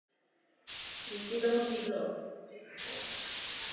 Osm účastníků turnaje mělo být rozděleno na dvě čtyřčlenné skupiny.